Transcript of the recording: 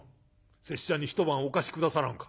拙者に一晩お貸し下さらんか？」。